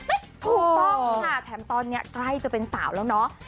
ถูกต้องค่ะแถมตอนนี้ใกล้จะเป็นสาวแล้วเนาะ